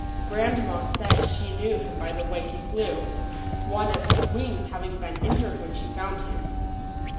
Grandma said she knew him by the way he flew, one of his wings having been injured when she found him.